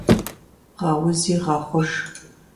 Гъэузи гъэхъуж.